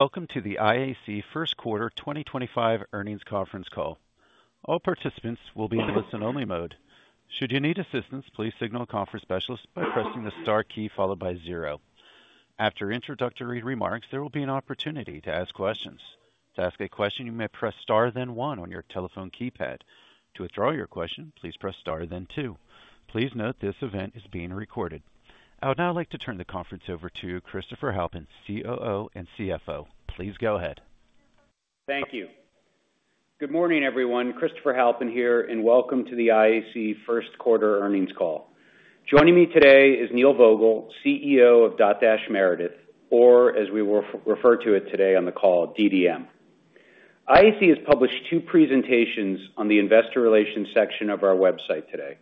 Welcome to the IAC First Quarter 2025 Earnings Conference Call. All participants will be in listen-only mode. Should you need assistance, please signal a conference specialist by pressing the star key followed by zero. After introductory remarks, there will be an opportunity to ask questions. To ask a question, you may press star then one on your telephone keypad. To withdraw your question, please press star then two. Please note this event is being recorded. I would now like to turn the conference over to Christopher Halpin, COO and CFO. Please go ahead. Thank you. Good morning, everyone. Christopher Halpin here, and welcome to the IAC First Quarter Earnings call. Joining me today is Neil Vogel, CEO of Dotdash Meredith, or as we will refer to it today on the call, DDM. IAC has published two presentations on the investor relations section of our website today: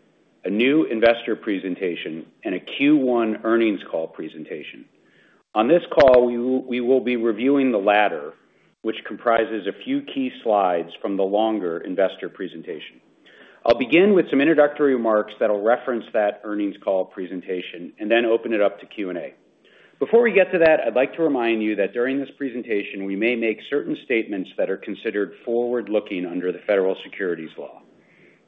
a new investor presentation and a Q1 earnings call presentation. On this call, we will be reviewing the latter, which comprises a few key slides from the longer investor presentation. I'll begin with some introductory remarks that will reference that earnings call presentation and then open it up to Q&A. Before we get to that, I'd like to remind you that during this presentation, we may make certain statements that are considered forward-looking under the federal securities law.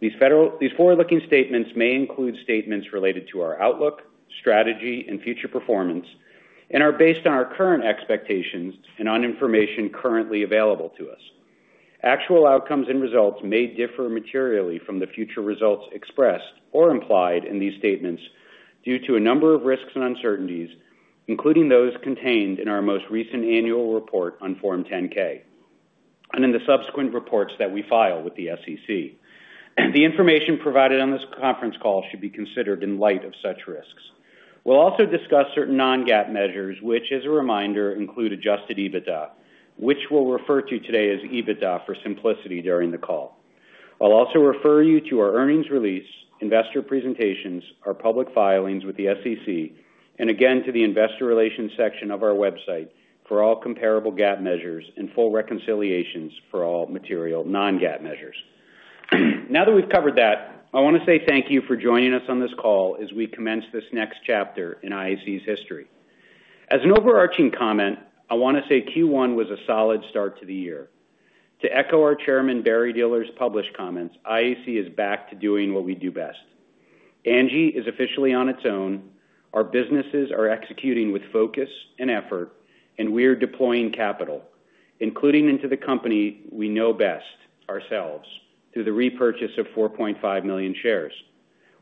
These forward-looking statements may include statements related to our outlook, strategy, and future performance, and are based on our current expectations and on information currently available to us. Actual outcomes and results may differ materially from the future results expressed or implied in these statements due to a number of risks and uncertainties, including those contained in our most recent annual report on Form 10-K and in the subsequent reports that we file with the SEC. The information provided on this conference call should be considered in light of such risks. We'll also discuss certain non-GAAP measures, which, as a reminder, include adjusted EBITDA, which we'll refer to today as EBITDA for simplicity during the call. I'll also refer you to our earnings release, investor presentations, our public filings with the SEC, and again, to the investor relations section of our website for all comparable GAAP measures and full reconciliations for all material non-GAAP measures. Now that we've covered that, I want to say thank you for joining us on this call as we commence this next chapter in IAC's history. As an overarching comment, I want to say Q1 was a solid start to the year. To echo our Chairman, Barry Diller's published comments, IAC is back to doing what we do best. Angie is officially on its own. Our businesses are executing with focus and effort, and we are deploying capital, including into the company we know best ourselves, through the repurchase of 4.5 million shares.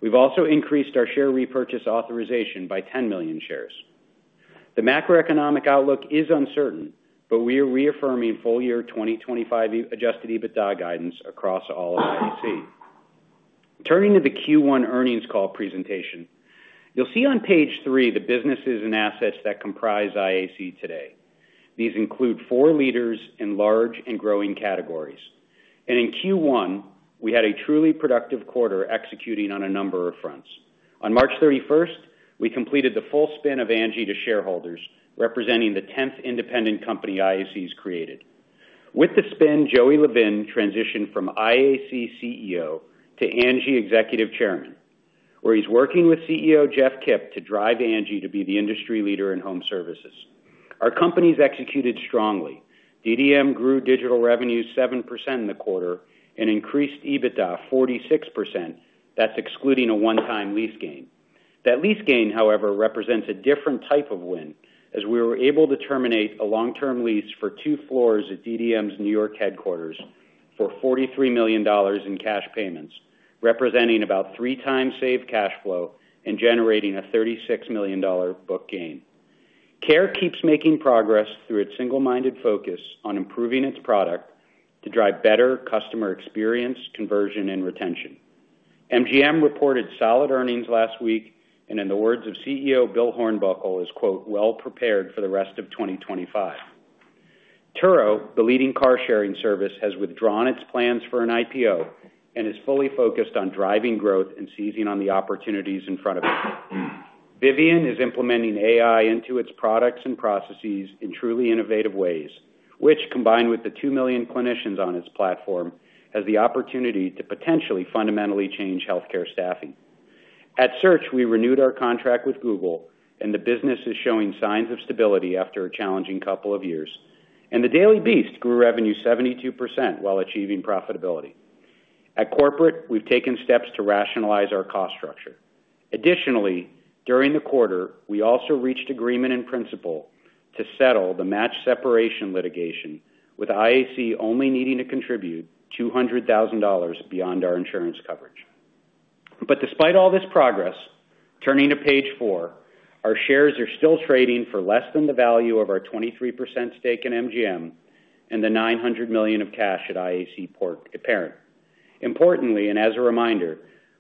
We've also increased our share repurchase authorization by 10 million shares. The macroeconomic outlook is uncertain, but we are reaffirming full-year 2025 adjusted EBITDA guidance across all of IAC. Turning to the Q1 earnings call presentation, you'll see on page three the businesses and assets that comprise IAC today. These include four leaders in large and growing categories. In Q1, we had a truly productive quarter executing on a number of fronts. On March 31st, we completed the full spin of Angie to shareholders, representing the 10th independent company IAC has created. With the spin, Joey Levin transitioned from IAC CEO to Angie Executive Chairman, where he's working with CEO Jeff Kipp to drive Angie to be the industry leader in home services. Our companies executed strongly. DDM grew digital revenues 7% in the quarter and increased EBITDA 46%. That's excluding a one-time lease gain. That lease gain, however, represents a different type of win as we were able to terminate a long-term lease for two floors at DDM's New York headquarters for $43 million in cash payments, representing about three times saved cash flow and generating a $36 million book gain. Care keeps making progress through its single-minded focus on improving its product to drive better customer experience, conversion, and retention. MGM reported solid earnings last week, and in the words of CEO Bill Hornbuckle, is, "Well prepared for the rest of 2025." Turo, the leading car-sharing service, has withdrawn its plans for an IPO and is fully focused on driving growth and seizing on the opportunities in front of it. Vivian is implementing AI into its products and processes in truly innovative ways, which, combined with the 2 million clinicians on its platform, has the opportunity to potentially fundamentally change healthcare staffing. At Search, we renewed our contract with Google, and the business is showing signs of stability after a challenging couple of years. The Daily Beast grew revenue 72% while achieving profitability. At corporate, we have taken steps to rationalize our cost structure. Additionally, during the quarter, we also reached agreement in principle to settle the match separation litigation, with IAC only needing to contribute $200,000 beyond our insurance coverage. Despite all this progress, turning to page four, our shares are still trading for less than the value of our 23% stake in MGM and the $900 million of cash at IAC Parent. Importantly, and as a reminder,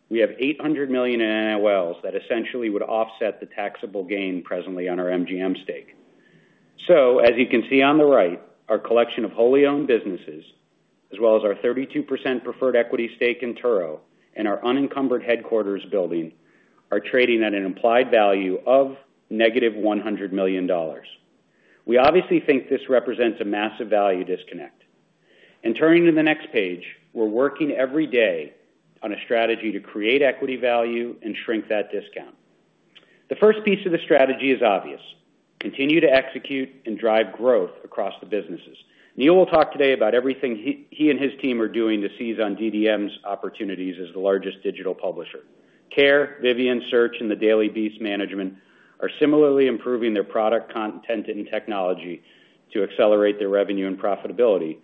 we have $800 million in NALs that essentially would offset the taxable gain presently on our MGM stake. As you can see on the right, our collection of wholly owned businesses, as well as our 32% preferred equity stake in Turo and our unencumbered headquarters building, are trading at an implied value of negative $100 million. We obviously think this represents a massive value disconnect. Turning to the next page, we're working every day on a strategy to create equity value and shrink that discount. The first piece of the strategy is obvious: continue to execute and drive growth across the businesses. Neil will talk today about everything he and his team are doing to seize on DDM's opportunities as the largest digital publisher. Care, Vivian, Search, and the Daily Beast management are similarly improving their product content and technology to accelerate their revenue and profitability.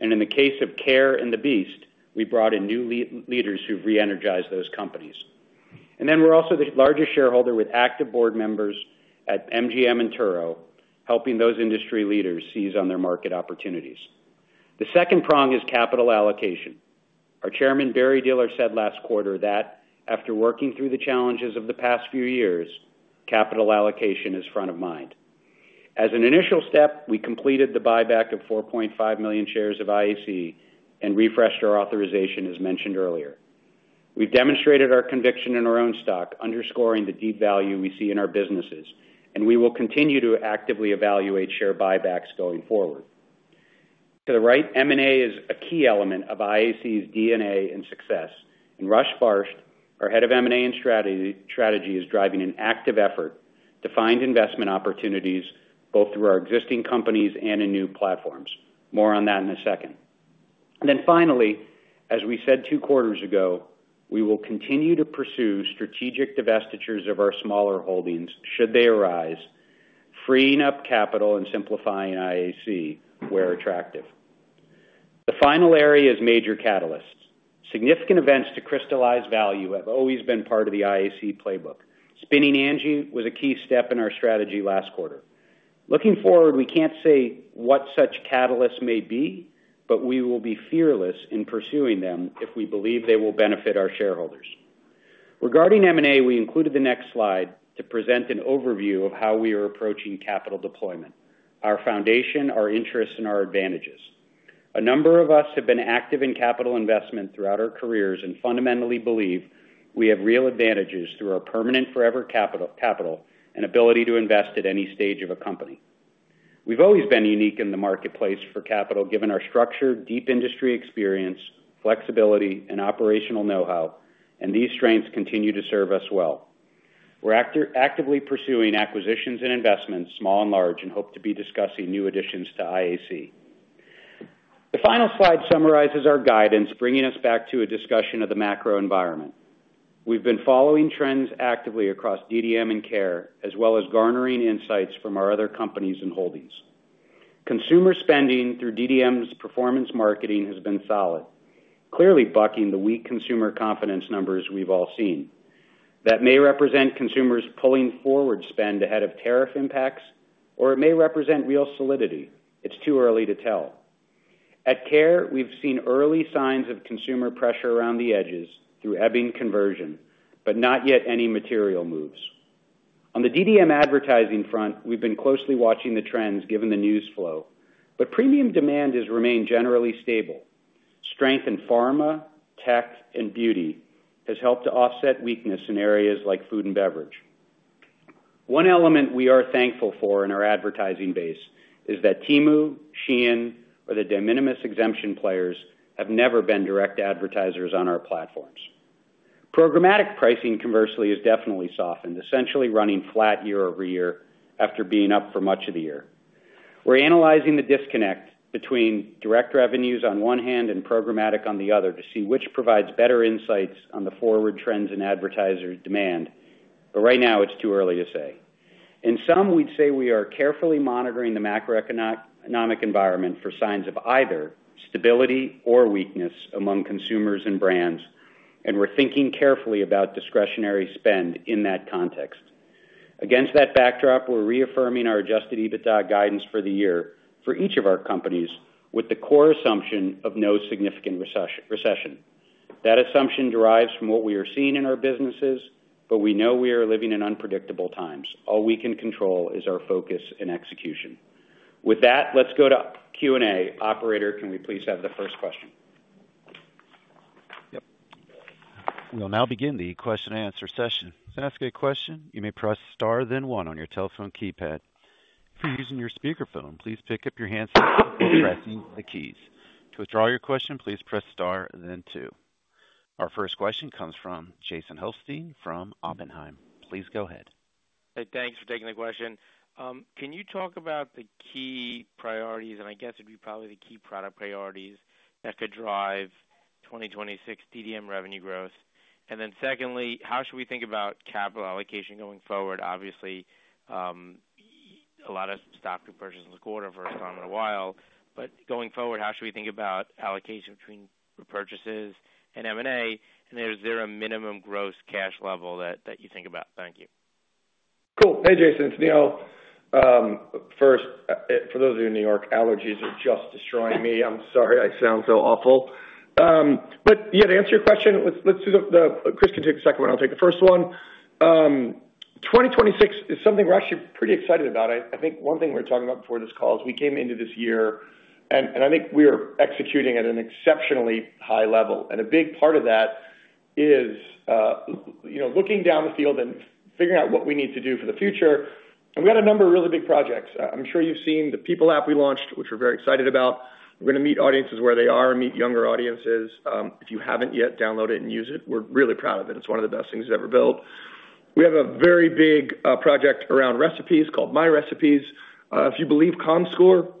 In the case of Care and the Beast, we brought in new leaders who've re-energized those companies. We are also the largest shareholder with active board members at MGM and Turo, helping those industry leaders seize on their market opportunities. The second prong is capital allocation. Our Chairman, Barry Diller, said last quarter that after working through the challenges of the past few years, capital allocation is front of mind. As an initial step, we completed the buyback of 4.5 million shares of IAC and refreshed our authorization, as mentioned earlier. We have demonstrated our conviction in our own stock, underscoring the deep value we see in our businesses, and we will continue to actively evaluate share buybacks going forward. To the right, M&A is a key element of IAC's DNA and success. Rush Barsht, our Head of M&A and Strategy, is driving an active effort to find investment opportunities both through our existing companies and in new platforms. More on that in a second. Finally, as we said two quarters ago, we will continue to pursue strategic divestitures of our smaller holdings should they arise, freeing up capital and simplifying IAC where attractive. The final area is major catalysts. Significant events to crystallize value have always been part of the IAC playbook. Spinning Angie was a key step in our strategy last quarter. Looking forward, we can't say what such catalysts may be, but we will be fearless in pursuing them if we believe they will benefit our shareholders. Regarding M&A, we included the next slide to present an overview of how we are approaching capital deployment: our foundation, our interests, and our advantages. A number of us have been active in capital investment throughout our careers and fundamentally believe we have real advantages through our permanent forever capital and ability to invest at any stage of a company. We've always been unique in the marketplace for capital, given our structured, deep industry experience, flexibility, and operational know-how, and these strengths continue to serve us well. We're actively pursuing acquisitions and investments, small and large, and hope to be discussing new additions to IAC. The final slide summarizes our guidance, bringing us back to a discussion of the macro environment. We've been following trends actively across DDM and Care, as well as garnering insights from our other companies and holdings. Consumer spending through DDM's performance marketing has been solid, clearly bucking the weak consumer confidence numbers we've all seen. That may represent consumers pulling forward spend ahead of tariff impacts, or it may represent real solidity. It's too early to tell. At Care, we've seen early signs of consumer pressure around the edges through ebbing conversion, but not yet any material moves. On the DDM advertising front, we've been closely watching the trends given the news flow, but premium demand has remained generally stable. Strength in pharma, tech, and beauty has helped to offset weakness in areas like food and beverage. One element we are thankful for in our advertising base is that Temu, Shein, or the de minimis exemption players have never been direct advertisers on our platforms. Programmatic pricing, conversely, has definitely softened, essentially running flat year over year after being up for much of the year. We're analyzing the disconnect between direct revenues on one hand and programmatic on the other to see which provides better insights on the forward trends in advertiser demand, but right now, it's too early to say. In sum, we'd say we are carefully monitoring the macroeconomic environment for signs of either stability or weakness among consumers and brands, and we're thinking carefully about discretionary spend in that context. Against that backdrop, we're reaffirming our adjusted EBITDA guidance for the year for each of our companies with the core assumption of no significant recession. That assumption derives from what we are seeing in our businesses, but we know we are living in unpredictable times. All we can control is our focus and execution. With that, let's go to Q&A. Operator, can we please have the first question? Yep. We'll now begin the question and answer session. To ask a question, you may press star, then one on your telephone keypad. If you're using your speakerphone, please pick up your handset and press the keys. To withdraw your question, please press star, then two. Our first question comes from Jason Helfstein from Oppenheimer. Please go ahead. Hey, thanks for taking the question. Can you talk about the key priorities, and I guess it'd be probably the key product priorities, that could drive 2026 DDM revenue growth? Then secondly, how should we think about capital allocation going forward? Obviously, a lot of stock repurchases in the quarter for a time and a while, but going forward, how should we think about allocation between repurchases and M&A? Is there a minimum gross cash level that you think about? Thank you. Cool. Hey, Jason. It's Neil. First, for those of you in New York, allergies are just destroying me. I'm sorry I sound so awful. Yeah, to answer your question, let's do the—Chris can take the second one. I'll take the first one. 2026 is something we're actually pretty excited about. I think one thing we were talking about before this call is we came into this year, and I think we are executing at an exceptionally high level. A big part of that is looking down the field and figuring out what we need to do for the future. We got a number of really big projects. I'm sure you've seen the People App we launched, which we're very excited about. We're going to meet audiences where they are and meet younger audiences. If you haven't yet, download it and use it. We're really proud of it. It's one of the best things we've ever built. We have a very big project around recipes called My Recipes. If you believe Comscore,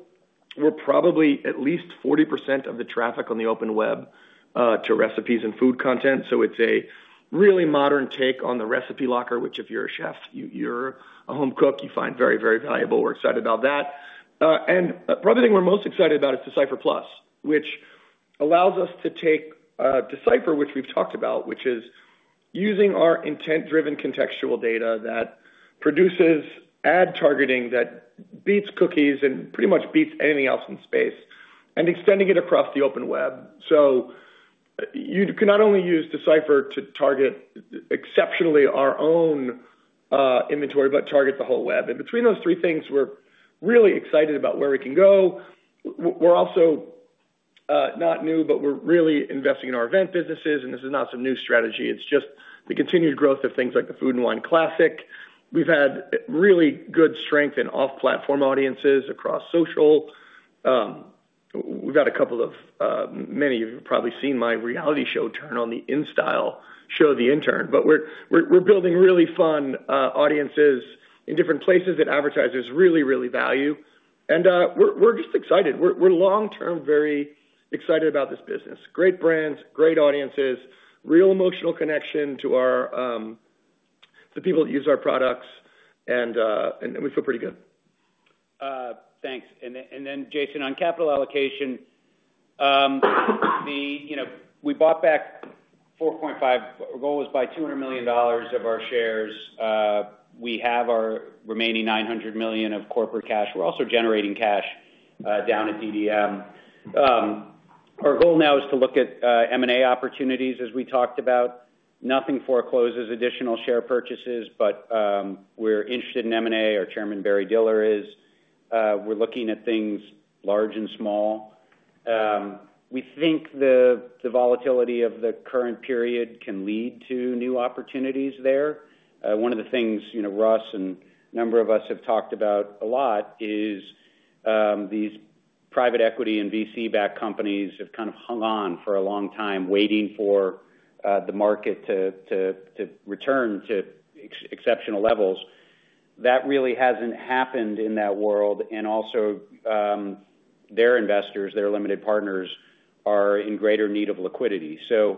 we're probably at least 40% of the traffic on the open web to recipes and food content. It is a really modern take on the recipe locker, which if you are a chef, you are a home cook, you find very, very valuable. We are excited about that. Probably the thing we are most excited about is Decipher Plus, which allows us to take Decipher, which we have talked about, which is using our intent-driven contextual data that produces ad targeting that beats cookies and pretty much beats anything else in space, and extending it across the open web. You can not only use Decipher to target exceptionally our own inventory, but target the whole web. Between those three things, we are really excited about where we can go. We are also not new, but we are really investing in our event businesses, and this is not some new strategy. It is just the continued growth of things like the Food and Wine Classic. We've had really good strength in off-platform audiences across social. We've had a couple of—many of you have probably seen my reality show turn on the InStyle show, The Intern, but we're building really fun audiences in different places that advertisers really, really value. We're just excited. We're long-term very excited about this business. Great brands, great audiences, real emotional connection to the people that use our products, and we feel pretty good. Thanks. Jason, on capital allocation, we bought back $4.5 million. Our goal was to buy $200 million of our shares. We have our remaining $900 million of corporate cash. We're also generating cash down at DDM. Our goal now is to look at M&A opportunities, as we talked about. Nothing forecloses additional share purchases, but we're interested in M&A. Our Chairman, Barry Diller, is. We're looking at things large and small. We think the volatility of the current period can lead to new opportunities there. One of the things Russ and a number of us have talked about a lot is these private equity and VC-backed companies have kind of hung on for a long time waiting for the market to return to exceptional levels. That really hasn't happened in that world. Also, their investors, their limited partners, are in greater need of liquidity. We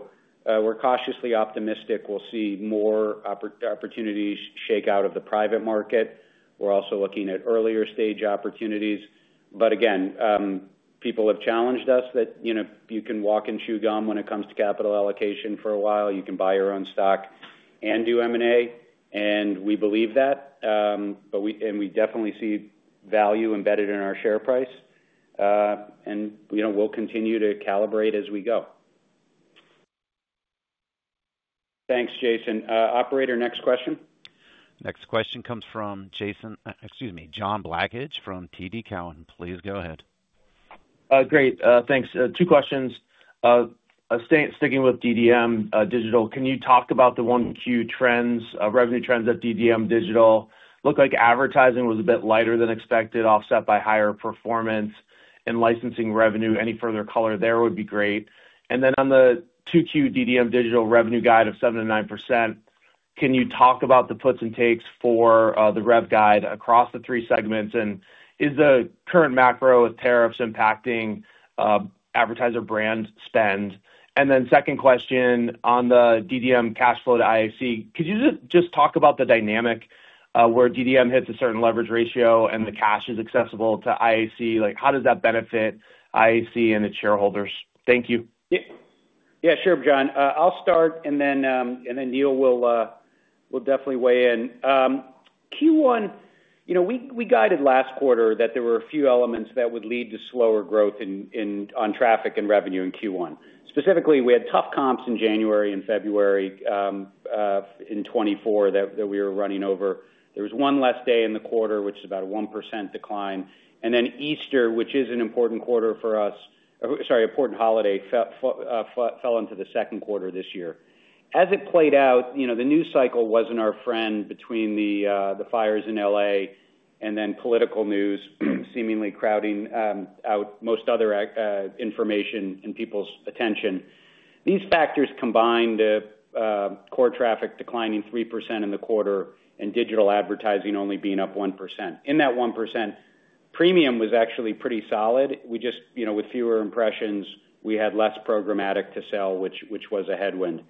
are cautiously optimistic we'll see more opportunities shake out of the private market. We are also looking at earlier stage opportunities. Again, people have challenged us that you can walk and chew gum when it comes to capital allocation for a while. You can buy your own stock and do M&A, and we believe that. We definitely see value embedded in our share price. We will continue to calibrate as we go. Thanks, Jason. Operator, next question. Next question comes from Jason—excuse me—John Blackledge from TD Cowen. Please go ahead. Great. Thanks. Two questions. Sticking with DDM Digital, can you talk about the Q1 revenue trends at DDM Digital? Looked like advertising was a bit lighter than expected, offset by higher performance and licensing revenue. Any further color there would be great. And then on the Q2 DDM Digital revenue guide of 7%-9%, can you talk about the puts and takes for the rev guide across the three segments? Is the current macro with tariffs impacting advertiser brand spend? Second question on the DDM cash flow to IAC, could you just talk about the dynamic where DDM hits a certain leverage ratio and the cash is accessible to IAC? How does that benefit IAC and its shareholders? Thank you. Yeah. Yeah, sure, John. I'll start, and then Neil will definitely weigh in. Q1, we guided last quarter that there were a few elements that would lead to slower growth on traffic and revenue in Q1. Specifically, we had tough comps in January and February in 2024 that we were running over. There was one less day in the quarter, which is about a 1% decline. Easter, which is an important quarter for us—sorry, important holiday—fell into the second quarter this year. As it played out, the news cycle was not our friend between the fires in LA and then political news seemingly crowding out most other information and people's attention. These factors combined—core traffic declining 3% in the quarter and digital advertising only being up 1%. In that 1%, premium was actually pretty solid. With fewer impressions, we had less programmatic to sell, which was a headwind.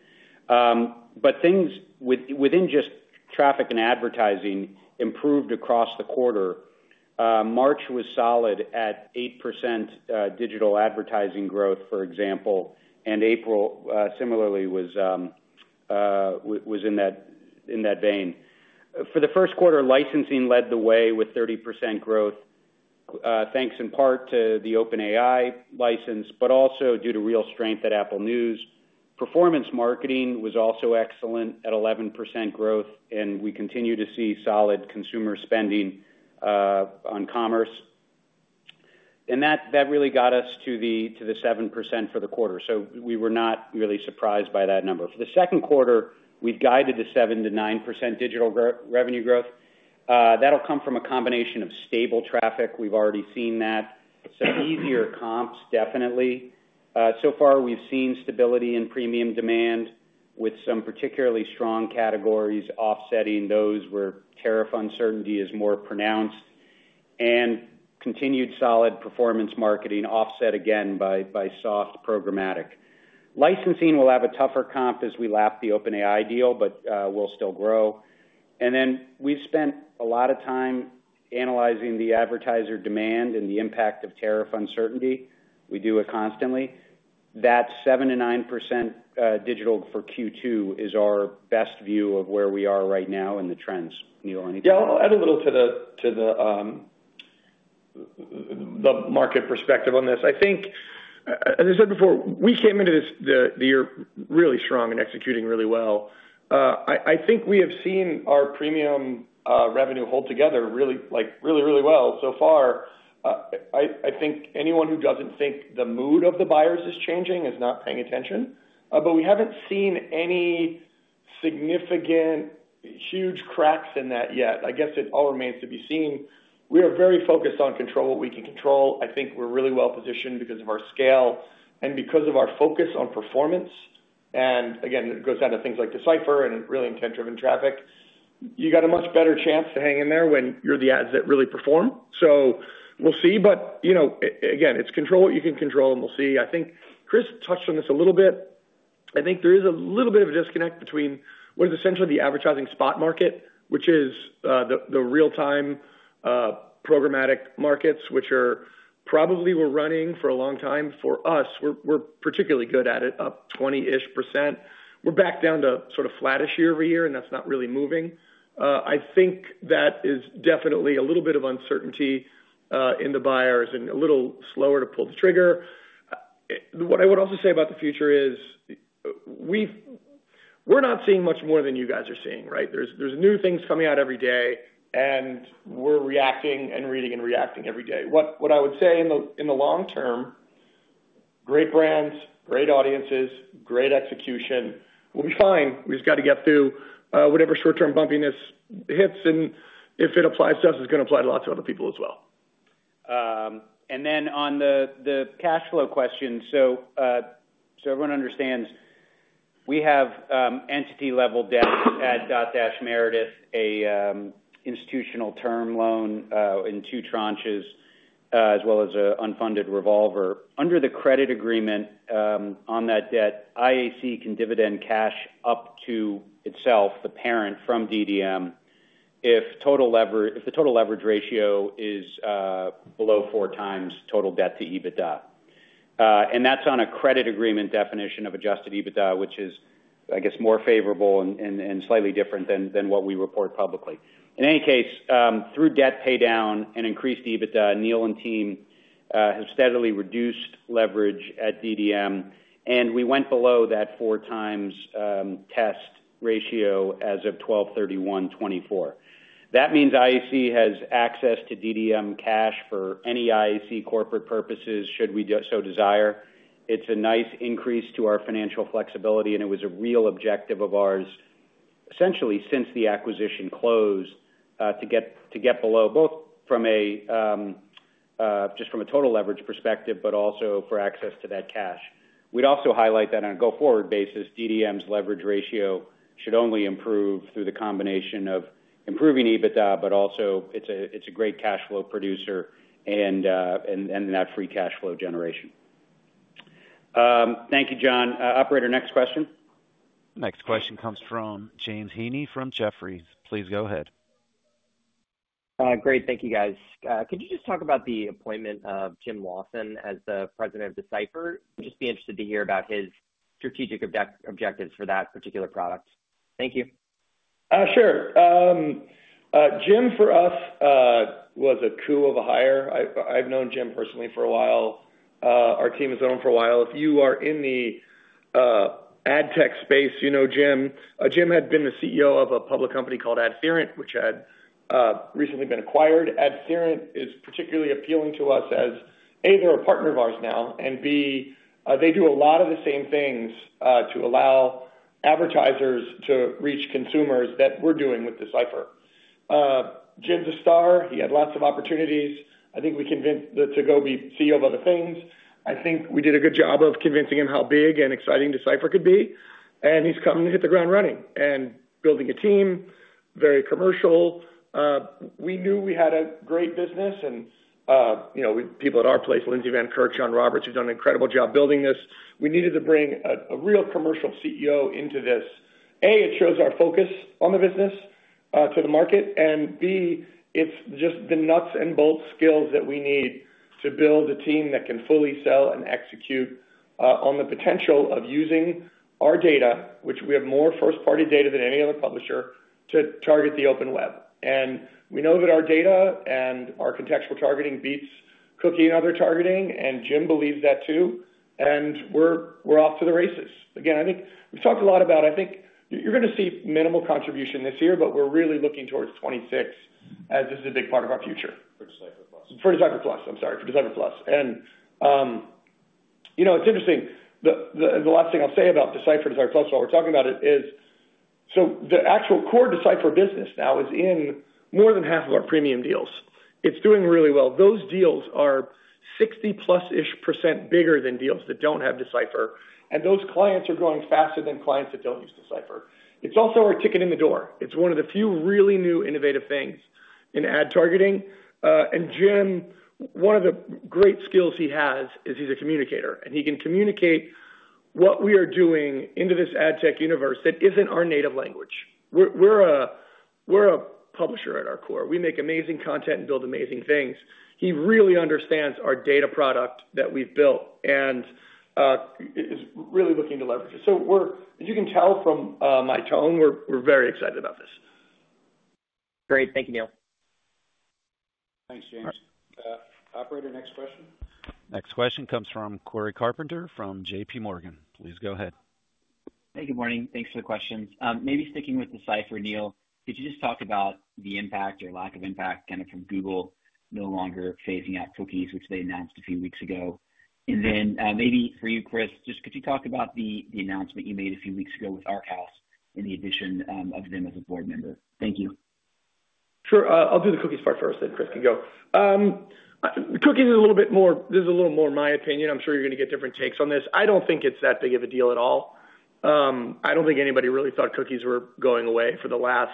Things within just traffic and advertising improved across the quarter. March was solid at 8% digital advertising growth, for example, and April similarly was in that vein. For the first quarter, licensing led the way with 30% growth, thanks in part to the OpenAI license, but also due to real strength at Apple News. Performance marketing was also excellent at 11% growth, and we continue to see solid consumer spending on commerce. That really got us to the 7% for the quarter. We were not really surprised by that number. For the second quarter, we've guided to 7-9% digital revenue growth. That will come from a combination of stable traffic. We've already seen that. Easier comps, definitely. So far, we've seen stability in premium demand with some particularly strong categories offsetting those where tariff uncertainty is more pronounced. Continued solid performance marketing offset again by soft programmatic. Licensing will have a tougher comp as we lap the OpenAI deal, but we'll still grow. We have spent a lot of time analyzing the advertiser demand and the impact of tariff uncertainty. We do it constantly. That 7-9% digital for Q2 is our best view of where we are right now and the trends. Neil, anything? Yeah, I'll add a little to the market perspective on this. I think, as I said before, we came into the year really strong and executing really well. I think we have seen our premium revenue hold together really, really well so far. I think anyone who doesn't think the mood of the buyers is changing is not paying attention. We haven't seen any significant huge cracks in that yet. I guess it all remains to be seen. We are very focused on control what we can control. I think we're really well positioned because of our scale and because of our focus on performance. Again, it goes down to things like Decipher and really intent-driven traffic. You got a much better chance to hang in there when you're the ads that really perform. We'll see. Again, it's control what you can control, and we'll see. I think Chris touched on this a little bit. I think there is a little bit of a disconnect between what is essentially the advertising spot market, which is the real-time programmatic markets, which are probably we're running for a long time. For us, we're particularly good at it, up 20% ish. We're back down to sort of flattish year over year, and that's not really moving. I think that is definitely a little bit of uncertainty in the buyers and a little slower to pull the trigger. What I would also say about the future is we're not seeing much more than you guys are seeing, right? There are new things coming out every day, and we're reacting and reading and reacting every day. What I would say in the long term, great brands, great audiences, great execution. We'll be fine. We just got to get through whatever short-term bumpiness hits, and if it applies to us, it's going to apply to lots of other people as well. On the cash flow question, so everyone understands, we have entity-level debt at Dotdash Meredith, an institutional term loan in two tranches, as well as an unfunded revolver. Under the credit agreement on that debt, IAC can dividend cash up to itself, the parent from DDM, if the total leverage ratio is below four times total debt to EBITDA. That is on a credit agreement definition of adjusted EBITDA, which is, I guess, more favorable and slightly different than what we report publicly. In any case, through debt paydown and increased EBITDA, Neil and team have steadily reduced leverage at DDM, and we went below that four-times test ratio as of 12/31/2024. That means IAC has access to DDM cash for any IAC corporate purposes should we so desire. It is a nice increase to our financial flexibility, and it was a real objective of ours, essentially since the acquisition closed, to get below both from a total leverage perspective, but also for access to that cash. We'd also highlight that on a go-forward basis, DDM's leverage ratio should only improve through the combination of improving EBITDA, but also it's a great cash flow producer and that free cash flow generation. Thank you, John. Operator, next question. The next question comes from James Heaney from Jefferies. Please go ahead. Great. Thank you, guys. Could you just talk about the appointment of Jim Lawson as the President of Decipher? Just be interested to hear about his strategic objectives for that particular product. Thank you. Sure. Jim, for us, was a coup of a hire. I've known Jim personally for a while. Our team has known him for a while. If you are in the ad tech space, you know Jim. Jim had been the CEO of a public company called Adherent, which had recently been acquired. Adherent is particularly appealing to us as, A, they're a partner of ours now, and B, they do a lot of the same things to allow advertisers to reach consumers that we're doing with Decipher. Jim's a star. He had lots of opportunities. I think we convinced him to go be CEO of other things. I think we did a good job of convincing him how big and exciting Decipher could be. He's coming to hit the ground running and building a team, very commercial. We knew we had a great business, and people at our place, Lindsay Van Kirk, John Roberts, who's done an incredible job building this. We needed to bring a real commercial CEO into this. A, it shows our focus on the business to the market, and B, it's just the nuts and bolts skills that we need to build a team that can fully sell and execute on the potential of using our data, which we have more first-party data than any other publisher, to target the open web. We know that our data and our contextual targeting beats cookie and other targeting, and Jim believes that too. We're off to the races. I think we've talked a lot about, I think you're going to see minimal contribution this year, but we're really looking towards 2026 as this is a big part of our future. For Decipher Plus. For Decipher Plus. I'm sorry, for Decipher Plus. It's interesting. The last thing I'll say about Decipher and Decipher Plus while we're talking about it is, the actual core Decipher business now is in more than half of our premium deals. It's doing really well. Those deals are 60+% bigger than deals that don't have Decipher. And those clients are growing faster than clients that don't use Decipher. It's also our ticket in the door. It's one of the few really new innovative things in ad targeting. Jim, one of the great skills he has is he's a communicator. He can communicate what we are doing into this ad tech universe that isn't our native language. We're a publisher at our core. We make amazing content and build amazing things. He really understands our data product that we've built and is really looking to leverage it. As you can tell from my tone, we're very excited about this. Great. Thank you, Neil. Thanks, James. Operator, next question. Next question comes from Cory Carpenter from J.P. Morgan. Please go ahead. Hey, good morning. Thanks for the questions. Maybe sticking with Decipher, Neil, could you just talk about the impact or lack of impact kind of from Google no longer phasing out cookies, which they announced a few weeks ago? And then maybe for you, Chris, just could you talk about the announcement you made a few weeks ago with ArcHouse and the addition of them as a board member? Thank you. Sure. I'll do the cookies part first, then Chris can go. Cookies is a little bit more, this is a little more my opinion. I'm sure you're going to get different takes on this. I don't think it's that big of a deal at all. I do not think anybody really thought cookies were going away for the last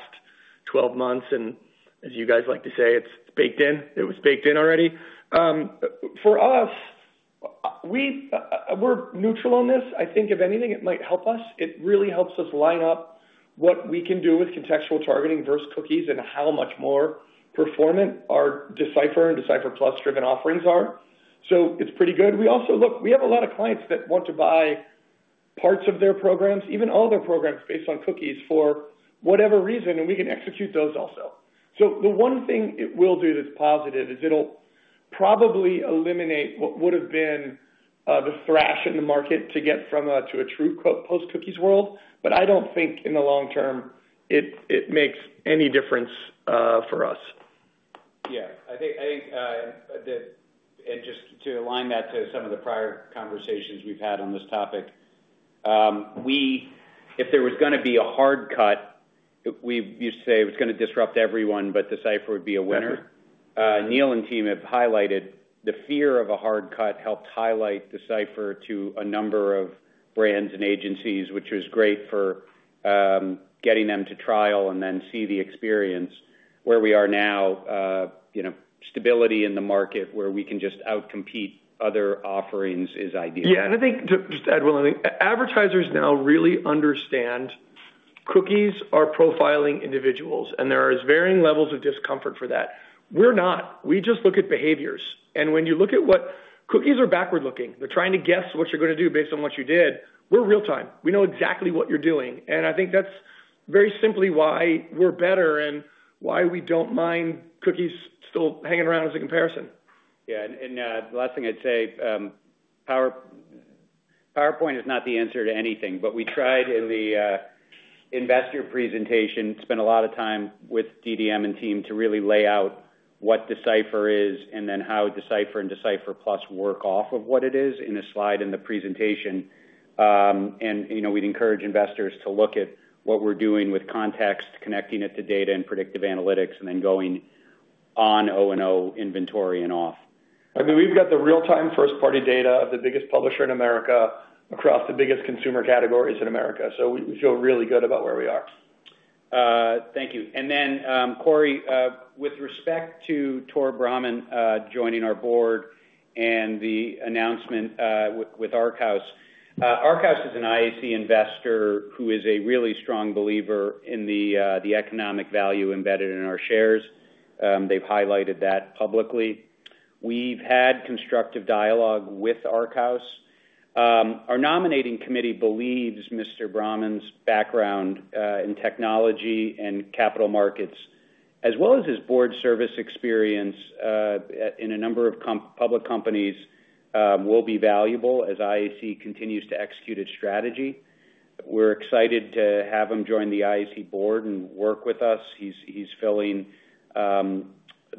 12 months. As you guys like to say, it is baked in. It was baked in already. For us, we are neutral on this. I think if anything, it might help us. It really helps us line up what we can do with contextual targeting versus cookies and how much more performant our Decipher and Decipher Plus-driven offerings are. It is pretty good. We have a lot of clients that want to buy parts of their programs, even all their programs based on cookies for whatever reason, and we can execute those also. The one thing it will do that is positive is it will probably eliminate what would have been the thrash in the market to get from a true post-cookies world. I do not think in the long term it makes any difference for us. Yeah. Just to align that to some of the prior conversations we've had on this topic, if there was going to be a hard cut, we used to say it was going to disrupt everyone, but Decipher would be a winner. Neil and team have highlighted the fear of a hard cut helped highlight Decipher to a number of brands and agencies, which was great for getting them to trial and then see the experience. Where we are now, stability in the market where we can just outcompete other offerings is ideal. Yeah. I think just to add one other thing. Advertisers now really understand cookies are profiling individuals, and there are varying levels of discomfort for that. We're not. We just look at behaviors. When you look at what cookies are, backward-looking, they're trying to guess what you're going to do based on what you did. We're real-time. We know exactly what you're doing. I think that's very simply why we're better and why we don't mind cookies still hanging around as a comparison. Yeah. The last thing I'd say, PowerPoint is not the answer to anything, but we tried in the investor presentation, spent a lot of time with DDM and team to really lay out what Decipher is and then how Decipher and Decipher Plus work off of what it is in a slide in the presentation. We'd encourage investors to look at what we're doing with context, connecting it to data and predictive analytics, and then going on O&O inventory and off. I mean, we've got the real-time first-party data of the biggest publisher in America across the biggest consumer categories in America. We feel really good about where we are. Thank you. Cory, with respect to Tor Braham joining our board and the announcement with ArcHouse, ArcHouse is an IAC investor who is a really strong believer in the economic value embedded in our shares. They've highlighted that publicly. We've had constructive dialogue with ArcHouse. Our nominating committee believes Mr. Braham's background in technology and capital markets, as well as his board service experience in a number of public companies, will be valuable as IAC continues to execute its strategy. We're excited to have him join the IAC board and work with us. He's filling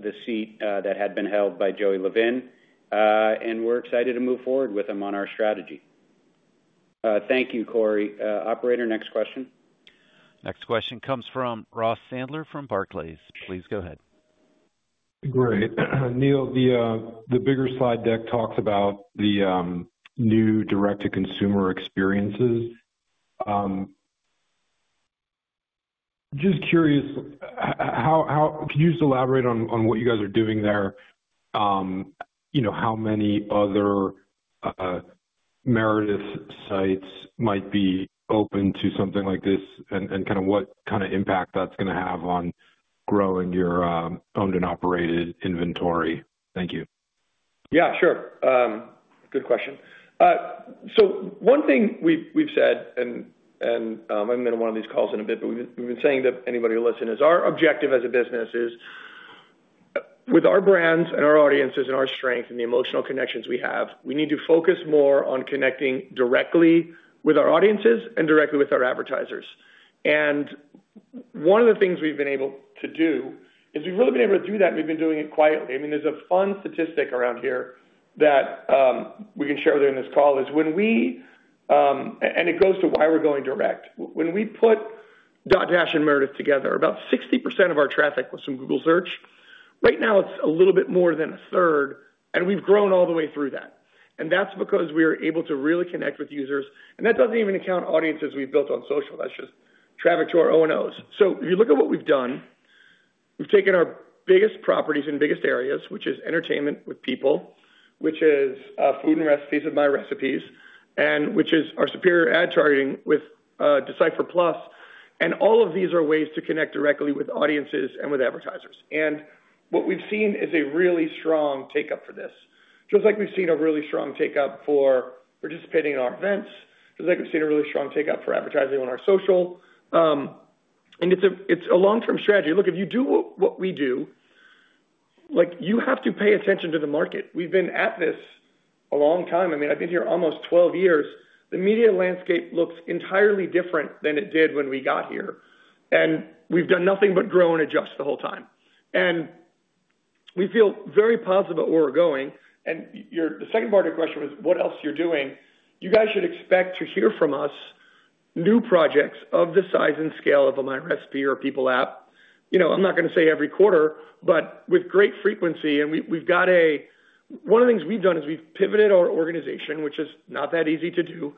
the seat that had been held by Joey Levin, and we're excited to move forward with him on our strategy. Thank you, Cory. Operator, next question. Next question comes from Ross Sandler from Barclays. Please go ahead. Great. Neil, the bigger slide deck talks about the new direct-to-consumer experiences. Just curious, could you just elaborate on what you guys are doing there, how many other Meredith sites might be open to something like this, and kind of what kind of impact that's going to have on growing your owned and operated inventory? Thank you. Yeah, sure. Good question. One thing we've said, and I'm going to one of these calls in a bit, but we've been saying to anybody who listens, our objective as a business is, with our brands and our audiences and our strength and the emotional connections we have, we need to focus more on connecting directly with our audiences and directly with our advertisers. One of the things we've been able to do is we've really been able to do that, and we've been doing it quietly. I mean, there's a fun statistic around here that we can share with you in this call is when we—and it goes to why we're going direct—when we put Dotdash and Meredith together, about 60% of our traffic was from Google search. Right now, it's a little bit more than a third, and we've grown all the way through that. That's because we are able to really connect with users. That doesn't even account audiences we've built on social. That's just traffic to our O&Os. If you look at what we've done, we've taken our biggest properties and biggest areas, which is entertainment with People, which is food and recipes with My Recipes, and which is our superior ad targeting with Decipher Plus. All of these are ways to connect directly with audiences and with advertisers. What we've seen is a really strong take-up for this. Just like we've seen a really strong take-up for participating in our events, just like we've seen a really strong take-up for advertising on our social. It's a long-term strategy. Look, if you do what we do, you have to pay attention to the market. We've been at this a long time. I mean, I've been here almost 12 years. The media landscape looks entirely different than it did when we got here. We've done nothing but grow and adjust the whole time. We feel very positive about where we're going. The second part of your question was what else you're doing. You guys should expect to hear from us new projects of the size and scale of a My Recipes or People App. I'm not going to say every quarter, but with great frequency. One of the things we've done is we've pivoted our organization, which is not that easy to do,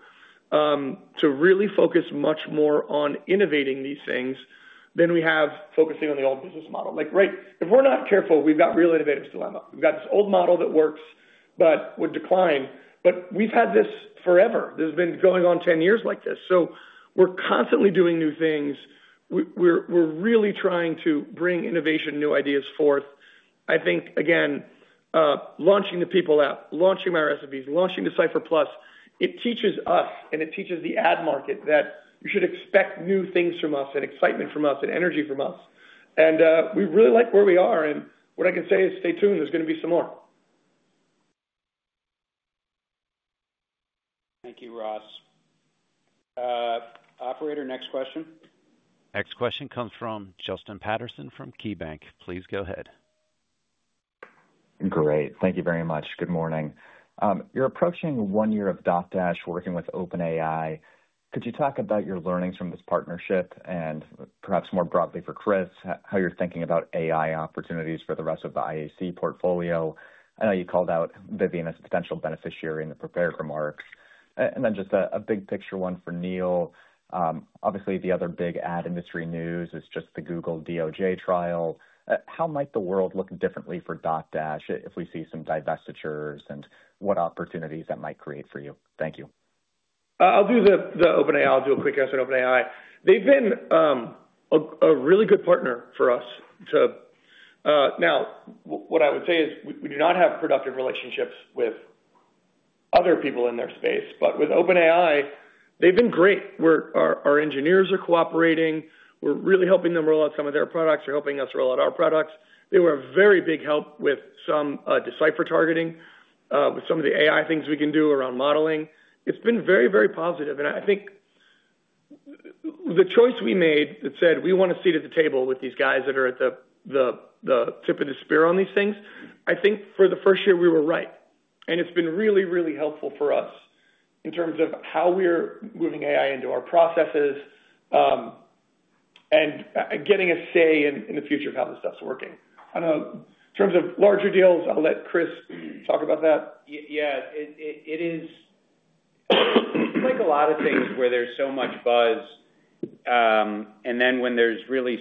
to really focus much more on innovating these things than we have focusing on the old business model. If we're not careful, we've got real innovative still. We've got this old model that works but would decline. We've had this forever. This has been going on 10 years like this. We're constantly doing new things. We're really trying to bring innovation, new ideas forth. I think, again, launching the People App, launching My Recipes, launching Decipher Plus, it teaches us, and it teaches the ad market that you should expect new things from us and excitement from us and energy from us. We really like where we are. What I can say is stay tuned. There's going to be some more. Thank you, Ross. Operator, next question. Next question comes from Justin Patterson from KeyBank. Please go ahead. Great. Thank you very much. Good morning. You're approaching one year of Dotdash working with OpenAI. Could you talk about your learnings from this partnership and perhaps more broadly for Chris, how you're thinking about AI opportunities for the rest of the IAC portfolio? I know you called out Vivian as a potential beneficiary in the prepared remarks. And then just a big picture one for Neil. Obviously, the other big ad industry news is just the Google DOJ trial. How might the world look differently for Dotdash if we see some divestitures and what opportunities that might create for you? Thank you. I'll do the OpenAI. I'll do a quick answer to OpenAI. They've been a really good partner for us too. Now, what I would say is we do not have productive relationships with other people in their space. With OpenAI, they've been great. Our engineers are cooperating. We're really helping them roll out some of their products. They're helping us roll out our products. They were a very big help with some Decipher targeting, with some of the AI things we can do around modeling. It's been very, very positive. I think the choice we made that said, "We want to sit at the table with these guys that are at the tip of the spear on these things," I think for the first year we were right. It's been really, really helpful for us in terms of how we're moving AI into our processes and getting a say in the future of how this stuff's working. In terms of larger deals, I'll let Chris talk about that. Yeah. It is like a lot of things where there's so much buzz, and then when there's really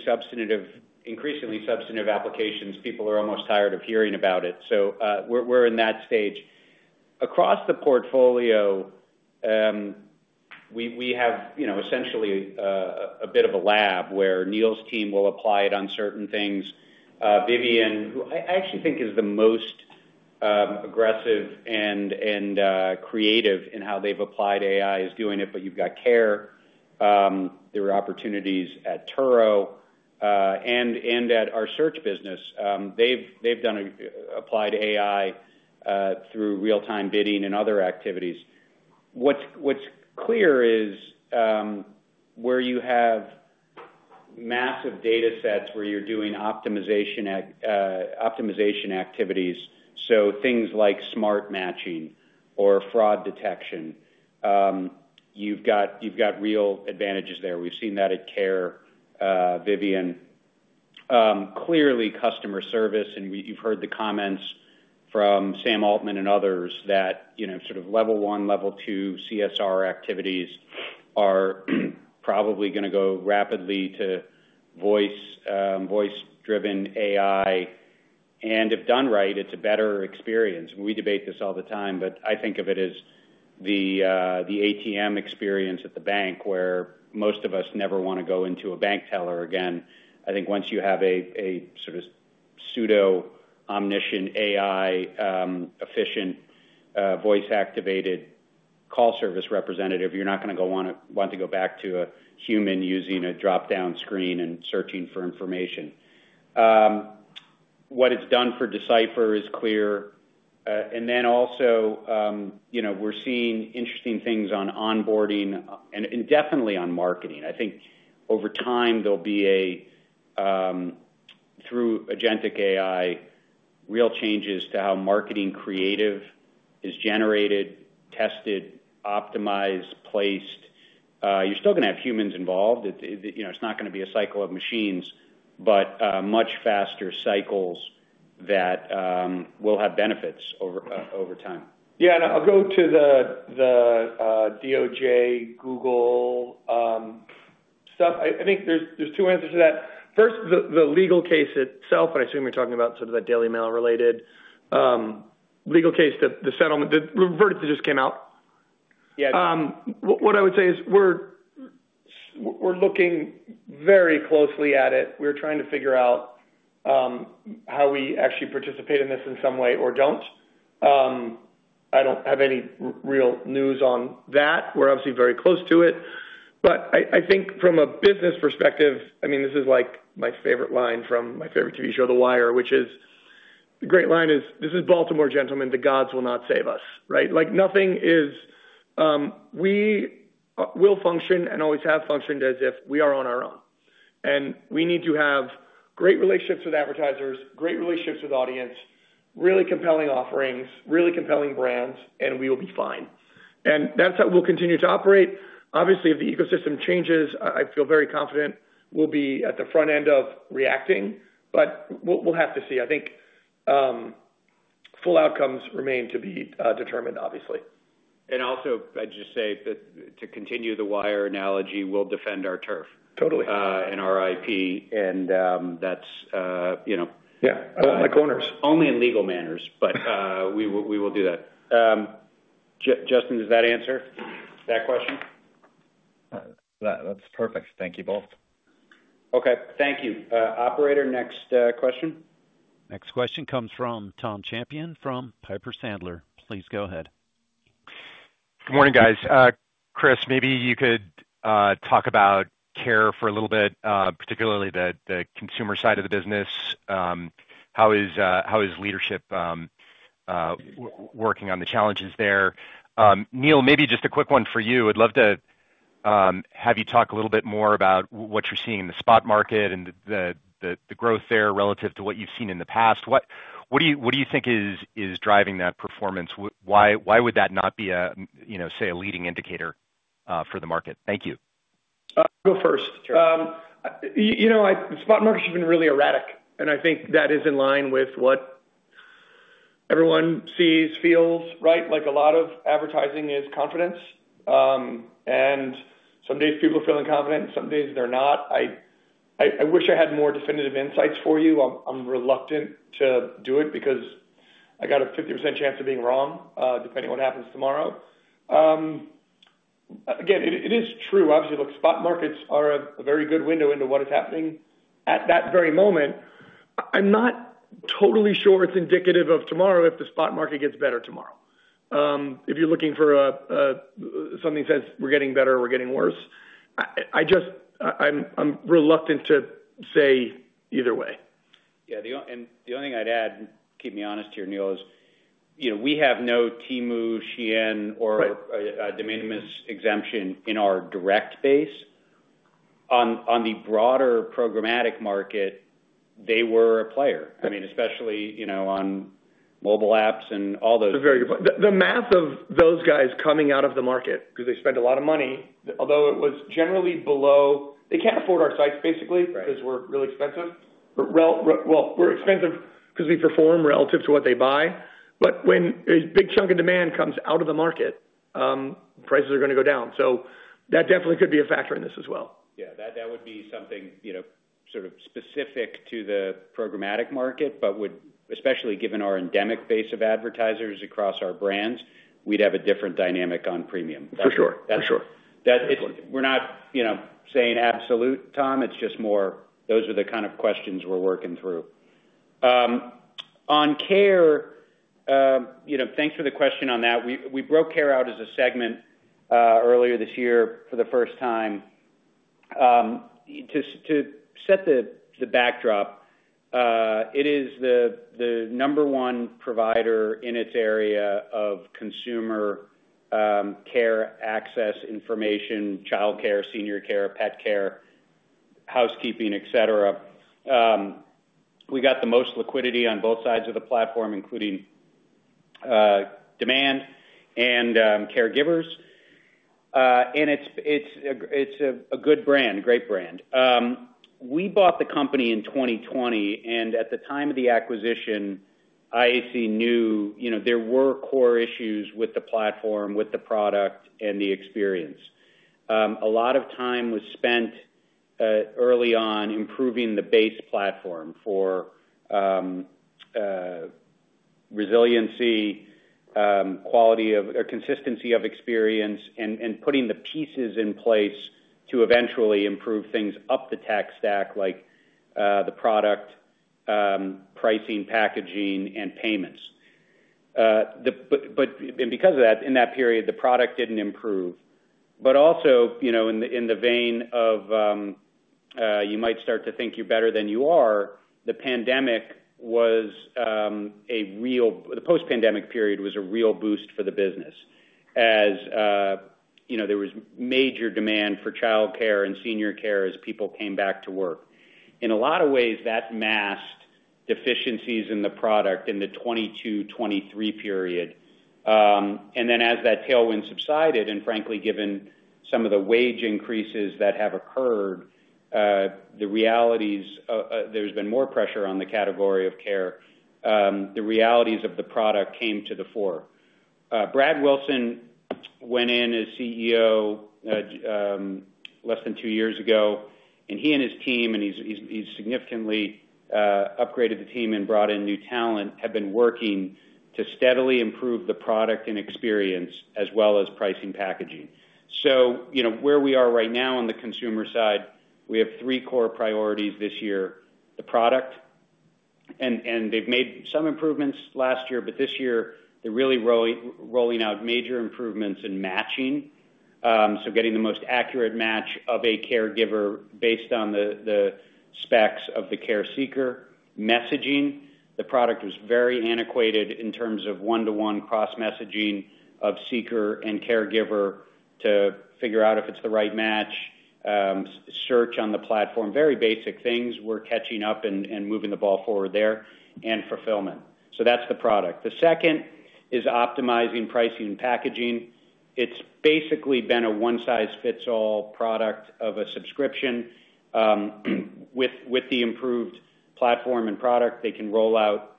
increasingly substantive applications, people are almost tired of hearing about it. We are in that stage. Across the portfolio, we have essentially a bit of a lab where Neil's team will apply it on certain things. Vivian, who I actually think is the most aggressive and creative in how they've applied AI, is doing it, but you've got Care. There were opportunities at Turo and at our search business. They've applied AI through real-time bidding and other activities. What's clear is where you have massive data sets where you're doing optimization activities, so things like smart matching or fraud detection. You've got real advantages there. We've seen that at Care, Vivian. Clearly, customer service, and you've heard the comments from Sam Altman and others that sort of level one, level two CSR activities are probably going to go rapidly to voice-driven AI. If done right, it's a better experience. We debate this all the time, but I think of it as the ATM experience at the bank where most of us never want to go into a bank teller again. I think once you have a sort of pseudo omniscient AI-efficient voice-activated call service representative, you're not going to want to go back to a human using a drop-down screen and searching for information. What it's done for Decipher is clear. We are also seeing interesting things on onboarding and definitely on marketing. I think over time, there'll be, through Agentic AI, real changes to how marketing creative is generated, tested, optimized, placed. You're still going to have humans involved. It's not going to be a cycle of machines, but much faster cycles that will have benefits over time. Yeah. I'll go to the DOJ, Google stuff. I think there's two answers to that. First, the legal case itself, but I assume you're talking about sort of that Daily Mail-related legal case, the verdict that just came out. Yeah. What I would say is we're looking very closely at it. We're trying to figure out how we actually participate in this in some way or don't. I don't have any real news on that. We're obviously very close to it. I think from a business perspective, I mean, this is like my favorite line from my favorite TV show, The Wire, which is the great line, "This is Baltimore, gentlemen. The gods will not save us." Right? Nothing is we will function and always have functioned as if we are on our own. We need to have great relationships with advertisers, great relationships with audience, really compelling offerings, really compelling brands, and we will be fine. That is how we will continue to operate. Obviously, if the ecosystem changes, I feel very confident we will be at the front end of reacting, but we will have to see. I think full outcomes remain to be determined, obviously. I would just say to continue the Wire analogy, we will defend our turf in our IP. That is all my corners. Only in legal manners, but we will do that. Justin, does that answer that question? That is perfect. Thank you both. Okay. Thank you. Operator, next question. Next question comes from Tom Champion from Piper Sandler. Please go ahead. Good morning, guys. Chris, maybe you could talk about Care for a little bit, particularly the consumer side of the business. How is leadership working on the challenges there? Neil, maybe just a quick one for you. I'd love to have you talk a little bit more about what you're seeing in the spot market and the growth there relative to what you've seen in the past. What do you think is driving that performance? Why would that not be, say, a leading indicator for the market? Thank you. I'll go first. The spot market has been really erratic. I think that is in line with what everyone sees, feels. Right? A lot of advertising is confidence. Some days people are feeling confident. Some days they're not. I wish I had more definitive insights for you. I'm reluctant to do it because I got a 50% chance of being wrong, depending on what happens tomorrow. Again, it is true. Obviously, spot markets are a very good window into what is happening at that very moment. I'm not totally sure it's indicative of tomorrow if the spot market gets better tomorrow. If you're looking for something that says, "We're getting better or we're getting worse," I'm reluctant to say either way. Yeah. The only thing I'd add, and keep me honest here, Neil, is we have no Temu, Shein, or de minimis exemption in our direct base. On the broader programmatic market, they were a player. I mean, especially on mobile apps and all those things. The math of those guys coming out of the market, because they spend a lot of money, although it was generally below they can't afford our sites, basically, because we're really expensive. We're expensive because we perform relative to what they buy. When a big chunk of demand comes out of the market, prices are going to go down. That definitely could be a factor in this as well. That would be something sort of specific to the programmatic market, but especially given our endemic base of advertisers across our brands, we'd have a different dynamic on premium. For sure. For sure. We're not saying absolute, Tom. It's just more those are the kind of questions we're working through. On Care, thanks for the question on that. We broke Care out as a segment earlier this year for the first time. To set the backdrop, it is the number one provider in its area of consumer care access information, childcare, senior care, pet care, housekeeping, etc. We got the most liquidity on both sides of the platform, including demand and caregivers. It is a good brand, a great brand. We bought the company in 2020. At the time of the acquisition, IAC knew there were core issues with the platform, with the product, and the experience. A lot of time was spent early on improving the base platform for resiliency, consistency of experience, and putting the pieces in place to eventually improve things up the tech stack, like the product, pricing, packaging, and payments. Because of that, in that period, the product did not improve. Also, in the vein of you might start to think you're better than you are, the pandemic was a real, the post-pandemic period was a real boost for the business as there was major demand for childcare and senior care as people came back to work. In a lot of ways, that masked deficiencies in the product in the 2022, 2023 period. Then as that tailwind subsided, and frankly, given some of the wage increases that have occurred, there's been more pressure on the category of care. The realities of the product came to the fore. Brad Wilson went in as CEO less than two years ago, and he and his team, and he's significantly upgraded the team and brought in new talent, have been working to steadily improve the product and experience as well as pricing packaging. Where we are right now on the consumer side, we have three core priorities this year: the product. They've made some improvements last year, but this year, they're really rolling out major improvements in matching, so getting the most accurate match of a caregiver based on the specs of the care seeker. Messaging. The product was very antiquated in terms of one-to-one cross-messaging of seeker and caregiver to figure out if it's the right match, search on the platform. Very basic things. We're catching up and moving the ball forward there and fulfillment. That's the product. The second is optimizing pricing and packaging. It's basically been a one-size-fits-all product of a subscription. With the improved platform and product, they can roll out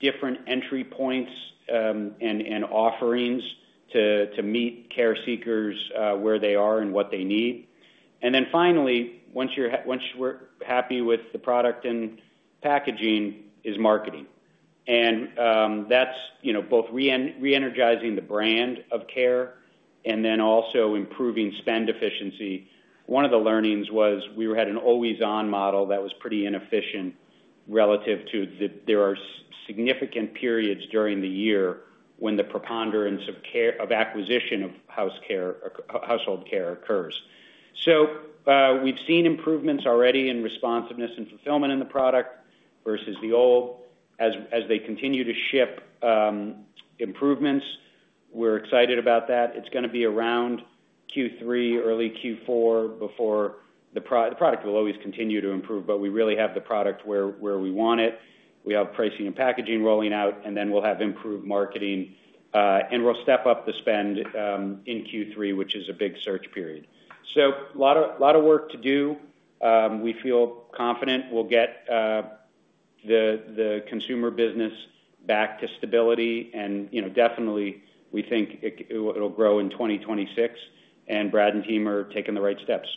different entry points and offerings to meet care seekers where they are and what they need. Finally, once we're happy with the product and packaging, is marketing. That is both re-energizing the brand of Care and also improving spend efficiency. One of the learnings was we had an always-on model that was pretty inefficient relative to there are significant periods during the year when the preponderance of acquisition of household care occurs. We have seen improvements already in responsiveness and fulfillment in the product versus the old. As they continue to ship improvements, we're excited about that. It is going to be around Q3, early Q4 before the product will always continue to improve, but we really have the product where we want it. We have pricing and packaging rolling out, and then we will have improved marketing. We will step up the spend in Q3, which is a big search period. A lot of work to do. We feel confident we'll get the consumer business back to stability. We definitely think it'll grow in 2026. Brad and team are taking the right steps.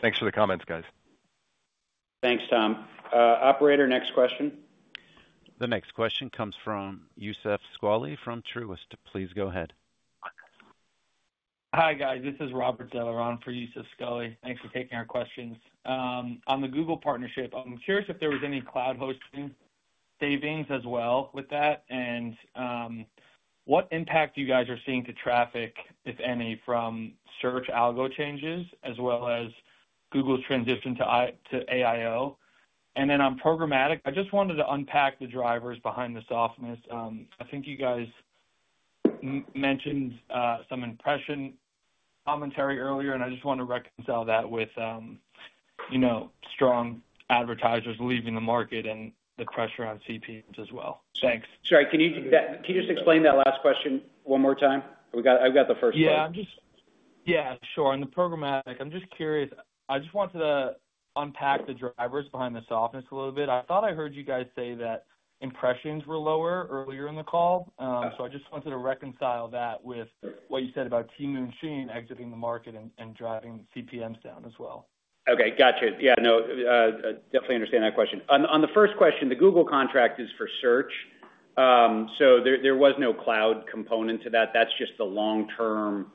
Thanks for the comments, guys. Thanks, Tom. Operator, next question. The next question comes from Yusef Squally from Truist. Please go ahead. Hi, guys. This is Robert Delaron for Yusef Squally. Thanks for taking our questions. On the Google partnership, I'm curious if there was any cloud hosting savings as well with that. What impact you guys are seeing to traffic, if any, from search algo changes as well as Google's transition to AIO? On programmatic, I just wanted to unpack the drivers behind the softness. I think you guys mentioned some impression commentary earlier, and I just want to reconcile that with strong advertisers leaving the market and the pressure on CPMs as well. Thanks. Sorry. Can you just explain that last question one more time? I've got the first one. Yeah. Yeah. Sure. On the programmatic, I'm just curious. I just wanted to unpack the drivers behind the softness a little bit. I thought I heard you guys say that impressions were lower earlier in the call. I just wanted to reconcile that with what you said about Temu and Shein exiting the market and driving CPMs down as well. Okay. Gotcha. Yeah. No, definitely understand that question. On the first question, the Google contract is for search. There was no cloud component to that. That's just the long-term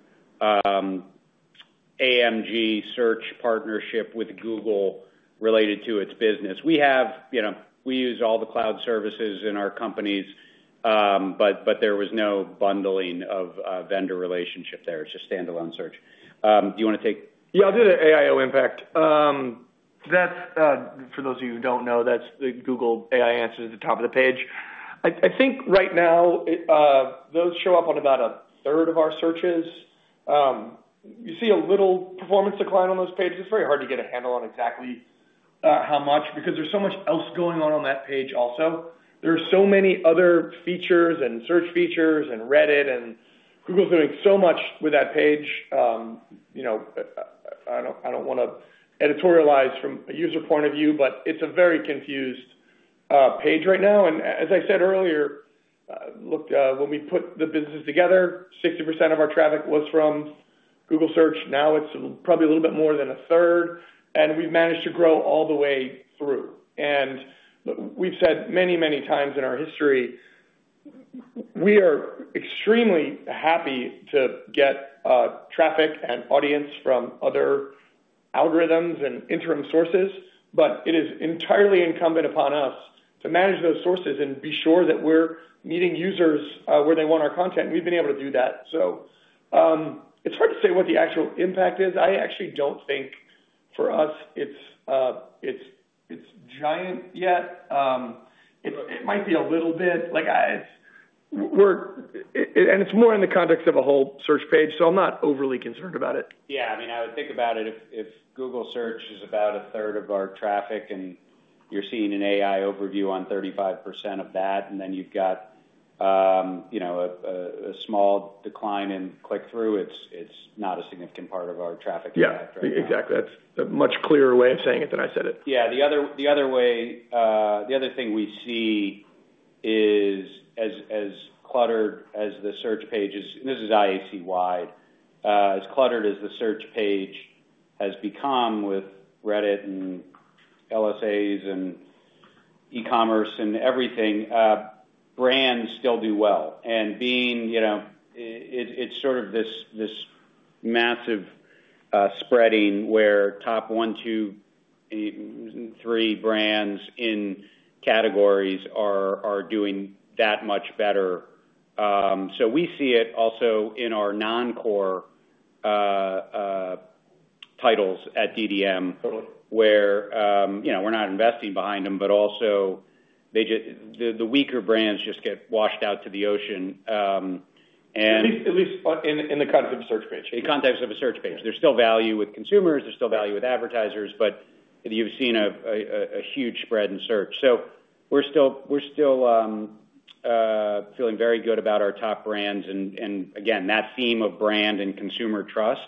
AMG search partnership with Google related to its business. We use all the cloud services in our companies, but there was no bundling of vendor relationship there. It's just standalone search. Do you want to take? Yeah. I'll do the AIO impact. For those of you who don't know, that's the Google AI answers at the top of the page. I think right now, those show up on about a third of our searches. You see a little performance decline on those pages. It's very hard to get a handle on exactly how much because there's so much else going on on that page also. There are so many other features and search features and Reddit, and Google's doing so much with that page. I don't want to editorialize from a user point of view, but it's a very confused page right now. As I said earlier, when we put the business together, 60% of our traffic was from Google search. Now it's probably a little bit more than a third. We've managed to grow all the way through. We have said many, many times in our history, we are extremely happy to get traffic and audience from other algorithms and interim sources, but it is entirely incumbent upon us to manage those sources and be sure that we are meeting users where they want our content. We have been able to do that. It is hard to say what the actual impact is. I actually do not think for us it is giant yet. It might be a little bit. It is more in the context of a whole search page, so I am not overly concerned about it. Yeah. I mean, I would think about it if Google search is about a third of our traffic and you are seeing an AI overview on 35% of that, and then you have got a small decline in click-through, it is not a significant part of our traffic impact, right? Yeah. Exactly. That's a much clearer way of saying it than I said it. Yeah. The other thing we see is, as cluttered as the search pages—and this is IAC-wide—as cluttered as the search page has become with Reddit and LSAs and e-commerce and everything, brands still do well. It's sort of this massive spreading where top one, two, three brands in categories are doing that much better. We see it also in our non-core titles at DDM, where we're not investing behind them, but also the weaker brands just get washed out to the ocean. At least in the context of the search page. In context of a search page. There's still value with consumers. There's still value with advertisers, but you've seen a huge spread in search. We're still feeling very good about our top brands. That theme of brand and consumer trust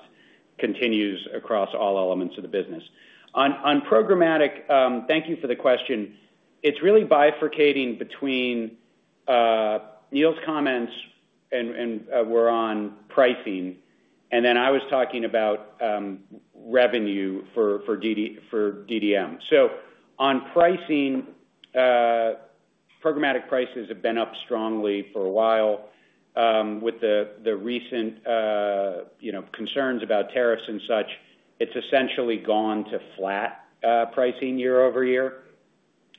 continues across all elements of the business. On programmatic, thank you for the question. It is really bifurcating between nil comments and we are on pricing. I was talking about revenue for DDM. On pricing, programmatic prices have been up strongly for a while. With the recent concerns about tariffs and such, it has essentially gone to flat pricing year over year.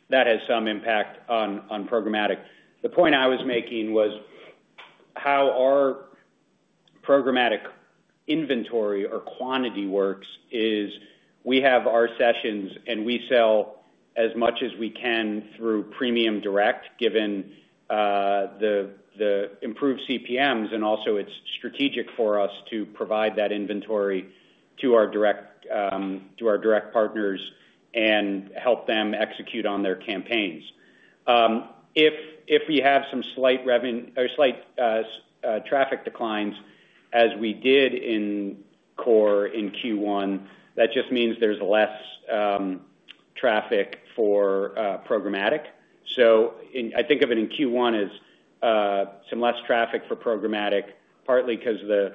That has some impact on programmatic. The point I was making was how our programmatic inventory or quantity works is we have our sessions, and we sell as much as we can through premium direct, given the improved CPMs. It is also strategic for us to provide that inventory to our direct partners and help them execute on their campaigns. If we have some slight traffic declines, as we did in core in Q1, that just means there's less traffic for programmatic. I think of it in Q1 as some less traffic for programmatic, partly because the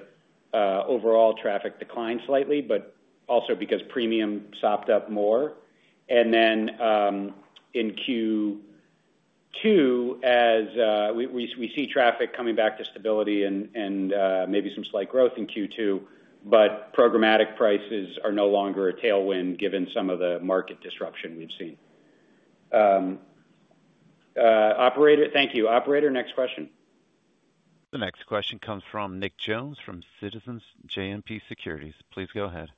overall traffic declined slightly, but also because premium sopped up more. In Q2, we see traffic coming back to stability and maybe some slight growth in Q2, but programmatic prices are no longer a tailwind given some of the market disruption we've seen. Thank you. Operator, next question. The next question comes from Nick Jones from Citizens JMP Securities. Please go ahead.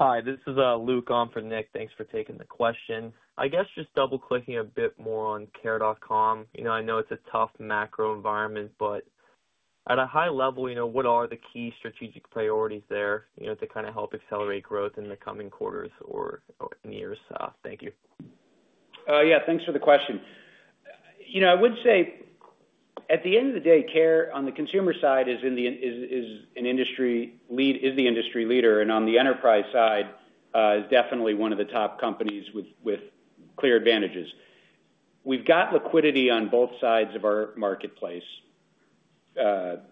Hi. This is Luke on for Nick. Thanks for taking the question. I guess just double-clicking a bit more on care.com. I know it's a tough macro environment, but at a high level, what are the key strategic priorities there to kind of help accelerate growth in the coming quarters or years? Thank you. Yeah. Thanks for the question. I would say, at the end of the day, Care.com on the consumer side is an industry leader and on the enterprise side is definitely one of the top companies with clear advantages. We've got liquidity on both sides of our marketplace: care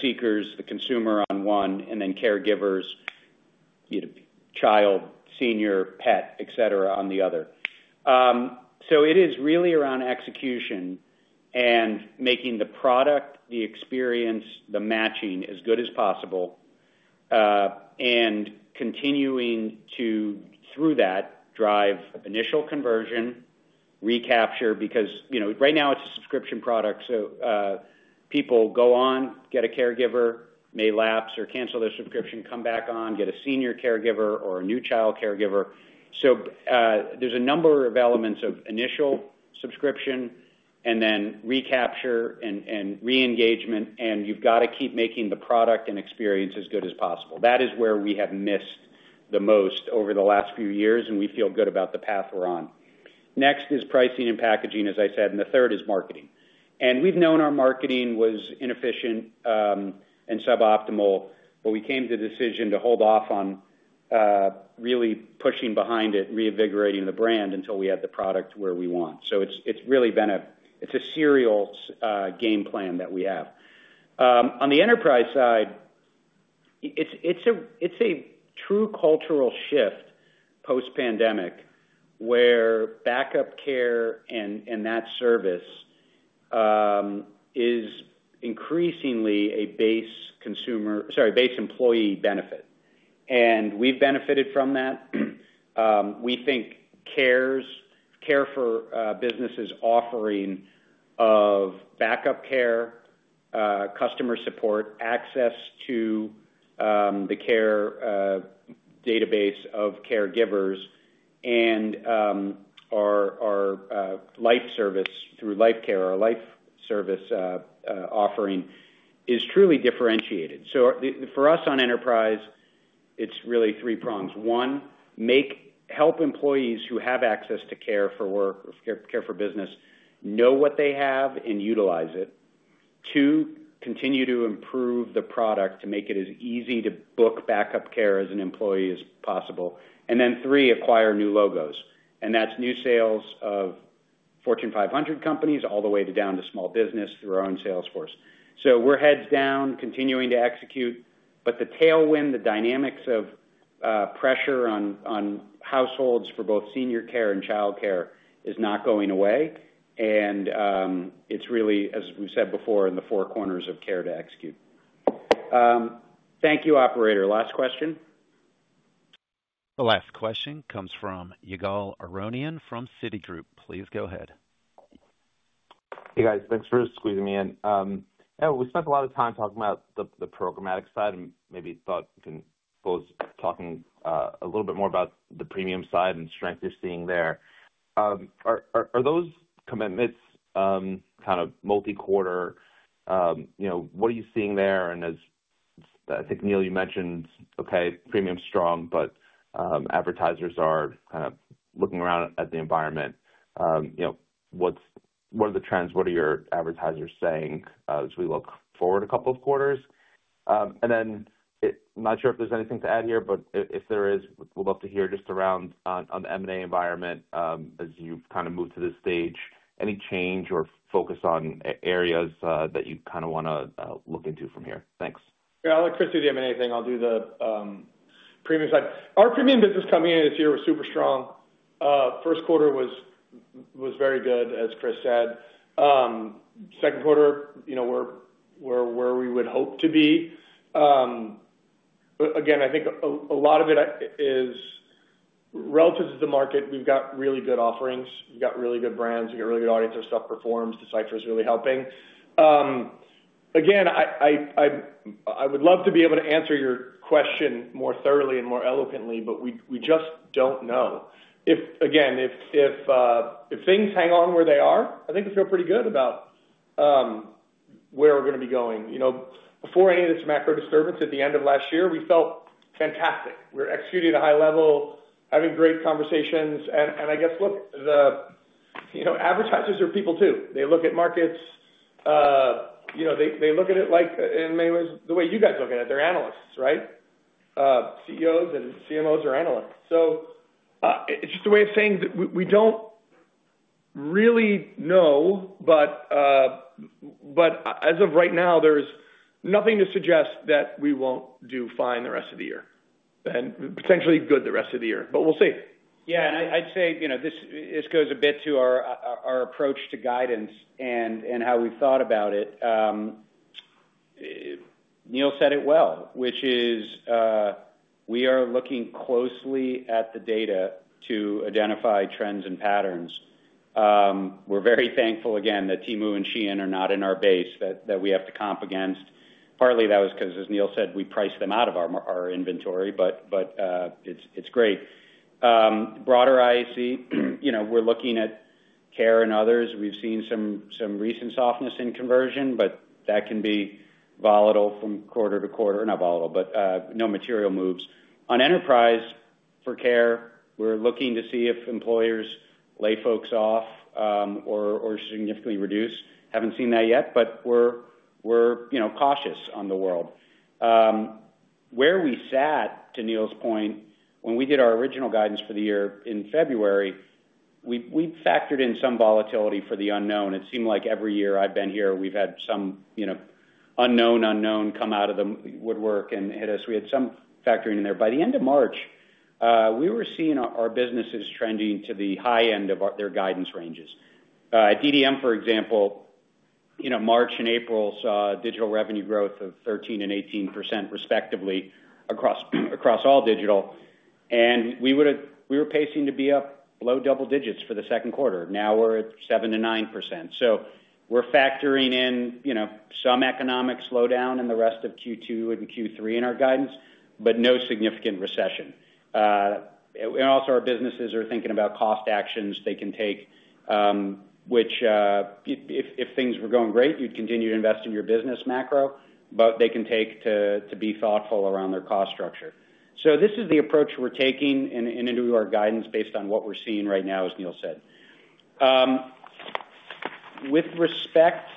seekers, the consumer on one, and then caregivers, child, senior, pet, etc., on the other. It is really around execution and making the product, the experience, the matching as good as possible, and continuing to, through that, drive initial conversion, recapture. Because right now, it's a subscription product. People go on, get a caregiver, may lapse or cancel their subscription, come back on, get a senior caregiver or a new child caregiver. There is a number of elements of initial subscription and then recapture and re-engagement. You have to keep making the product and experience as good as possible. That is where we have missed the most over the last few years, and we feel good about the path we are on. Next is pricing and packaging, as I said, and the third is marketing. We have known our marketing was inefficient and suboptimal, but we came to the decision to hold off on really pushing behind it and reinvigorating the brand until we had the product where we want. It is really been a—it is a serial game plan that we have. On the enterprise side, it's a true cultural shift post-pandemic where backup care and that service is increasingly a base consumer—sorry, base employee benefit. We have benefited from that. We think Care for Business's offering of backup care, customer support, access to the care database of caregivers, and our live service through Life Care or live service offering is truly differentiated. For us on enterprise, it's really three prongs. One, help employees who have access to Care for Work or Care for Business know what they have and utilize it. Two, continue to improve the product to make it as easy to book backup care as an employee as possible. Three, acquire new logos. That is new sales of Fortune 500 companies all the way down to small business through our own Salesforce. We are heads down, continuing to execute. The tailwind, the dynamics of pressure on households for both senior care and childcare is not going away. It is really, as we said before, in the four corners of care to execute. Thank you, Operator. Last question. The last question comes from Ygal Arounian from Citi Group. Please go ahead. Hey, guys. Thanks for squeezing me in. We spent a lot of time talking about the programmatic side and maybe thought we can both talk a little bit more about the premium side and strength you're seeing there. Are those commitments kind of multi-quarter? What are you seeing there? I think, Neil, you mentioned, okay, premium's strong, but advertisers are kind of looking around at the environment. What are the trends? What are your advertisers saying as we look forward a couple of quarters? I'm not sure if there's anything to add here, but if there is, we'd love to hear just around on the M&A environment as you've kind of moved to this stage. Any change or focus on areas that you kind of want to look into from here? Thanks. Yeah. I'll let Chris do the M&A thing. I'll do the premium side. Our premium business coming in this year was super strong. First quarter was very good, as Chris said. Second quarter, we're where we would hope to be. Again, I think a lot of it is relative to the market. We've got really good offerings. We've got really good brands. We've got really good audience. Our stuff performs. Decipher is really helping. Again, I would love to be able to answer your question more thoroughly and more eloquently, but we just don't know. Again, if things hang on where they are, I think we feel pretty good about where we're going to be going. Before any of this macro disturbance at the end of last year, we felt fantastic. We were executing at a high level, having great conversations. I guess, look, advertisers are people too. They look at markets. They look at it like in many ways, the way you guys look at it. They're analysts, right? CEOs and CMOs are analysts. It is just a way of saying that we do not really know, but as of right now, there is nothing to suggest that we will not do fine the rest of the year and potentially good the rest of the year. We will see. Yeah. I would say this goes a bit to our approach to guidance and how we have thought about it. Neil said it well, which is we are looking closely at the data to identify trends and patterns. We're very thankful, again, that Temu and Shein are not in our base that we have to comp against. Partly, that was because, as Neil said, we priced them out of our inventory, but it's great. Broader IAC, we're looking at Care and others. We've seen some recent softness in conversion, but that can be volatile from quarter to quarter. Not volatile, but no material moves. On enterprise for Care, we're looking to see if employers lay folks off or significantly reduce. Haven't seen that yet, but we're cautious on the world. Where we sat, to Neil's point, when we did our original guidance for the year in February, we factored in some volatility for the unknown. It seemed like every year I've been here, we've had some unknown, unknown come out of the woodwork and hit us. We had some factoring in there. By the end of March, we were seeing our businesses trending to the high end of their guidance ranges. At DDM, for example, March and April saw digital revenue growth of 13% and 18% respectively across all digital. We were pacing to be up below double digits for the second quarter. Now we're at 7-9%. We are factoring in some economic slowdown in the rest of Q2 and Q3 in our guidance, but no significant recession. Also, our businesses are thinking about cost actions they can take, which if things were going great, you'd continue to invest in your business macro, but they can take to be thoughtful around their cost structure. This is the approach we're taking and into our guidance based on what we're seeing right now, as Neil said. With respect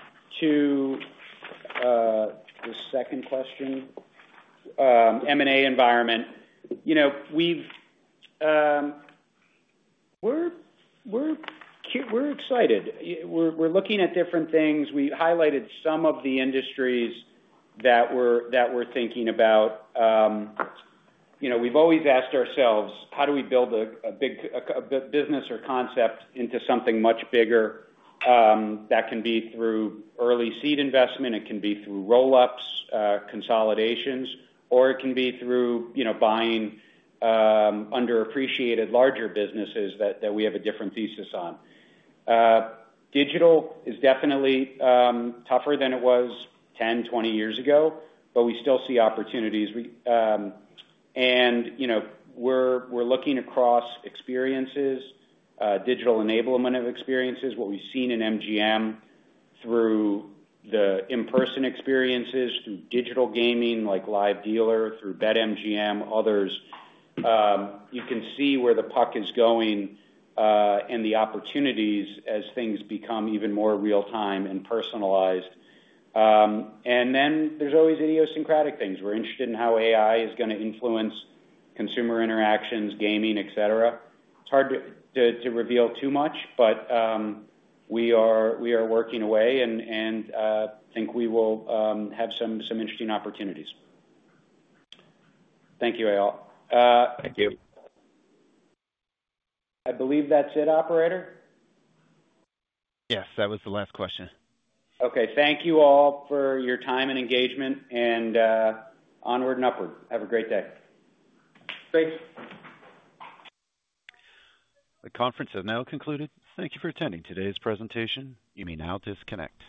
to the second question, M&A environment, we're excited. We're looking at different things. We highlighted some of the industries that we're thinking about. We've always asked ourselves, how do we build a business or concept into something much bigger? That can be through early seed investment. It can be through roll-ups, consolidations, or it can be through buying underappreciated larger businesses that we have a different thesis on. Digital is definitely tougher than it was 10, 20 years ago, but we still see opportunities. We're looking across experiences, digital enablement of experiences, what we've seen in MGM through the in-person experiences, through digital gaming like Live Dealer, through BetMGM, others. You can see where the puck is going and the opportunities as things become even more real-time and personalized. Then there are always idiosyncratic things. We're interested in how AI is going to influence consumer interactions, gaming, etc. It's hard to reveal too much, but we are working away and think we will have some interesting opportunities. Thank you, Ail. Thank you. I believe that's it, Operator. Yes. That was the last question. Okay. Thank you all for your time and engagement and onward and upward. Have a great day. Thanks. The conference has now concluded. Thank you for attending today's presentation. You may now disconnect.